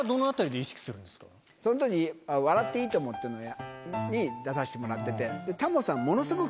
その当時『笑っていいとも！』っていうのに出させてもらってて。